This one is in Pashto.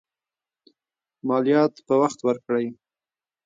مالیات په وخت ورکړئ.